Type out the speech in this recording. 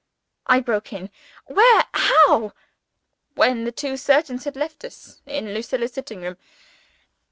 I broke in. "Where? How?" "When the two surgeons had left us. In Lucilla's sitting room.